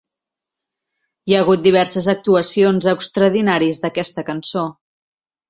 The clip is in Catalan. Hi ha hagut diverses actuacions extraordinaris d'aquesta cançó.